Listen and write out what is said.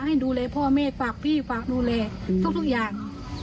ให้ดูแลพ่อแม่ฝากพี่ฝากดูแลทุกอย่าง